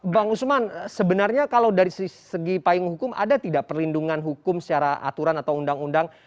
bang usman sebenarnya kalau dari segi payung hukum ada tidak perlindungan hukum secara aturan atau undang undang